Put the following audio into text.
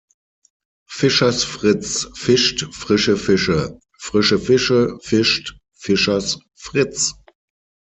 Fischers Fritz fischt frische Fische - frische Fische fischt Fischers Fritz.